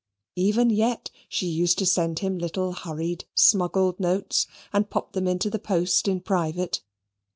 Even yet she used to send him little hurried smuggled notes, and pop them into the post in private.